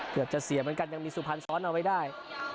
เกือบจะเสียเหมือนกันยังมีสุพรรณซ้อนเอาไว้ได้